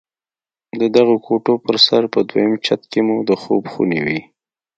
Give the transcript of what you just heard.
د دغو کوټو پر سر په دويم چت کښې مو د خوب خونې وې.